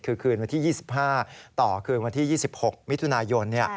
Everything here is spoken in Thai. คือคืนวันที่๒๕ต่อคืนวันที่๒๖มิถุนายน